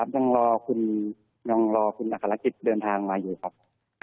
ยังรอคุณนักศาลักษณะกิจเดินทางมาอยู่ครับ